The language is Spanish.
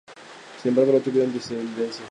Sin embargo, no tuvieron descendencia.